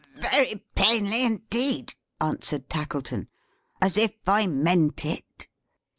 "Very plainly indeed," answered Tackleton. "As if I meant it?"